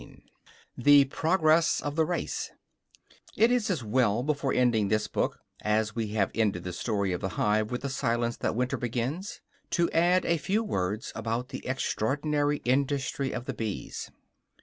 VI THE PROGRESS OF THE RACE It is as well, before ending this book as we have ended the story of the hive with the silence that winter brings to add a few words about the extraordinary industry of the bees.